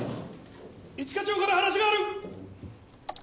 一課長から話がある。